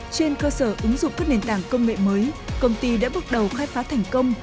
trên cơ sở ứng dụng các nền tảng công nghệ mới công ty đã bước đầu khai phá thành công